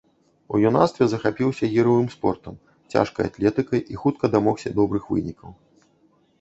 У юнацтве захапіўся гіравым спортам, цяжкай атлетыкай і хутка дамогся добрых вынікаў.